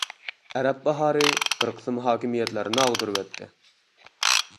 «ئەرەب باھارى» بىر قىسىم ھاكىمىيەتلەرنى ئاغدۇرۇۋەتتى.